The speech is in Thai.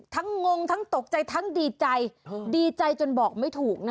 งงทั้งตกใจทั้งดีใจดีใจจนบอกไม่ถูกนะ